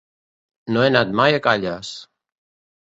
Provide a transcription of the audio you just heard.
No he anat mai a Calles.